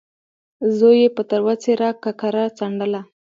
زوی يې په تروه څېره ککره څنډله.